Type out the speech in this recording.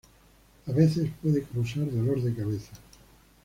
A veces puede causar dolor de cabeza.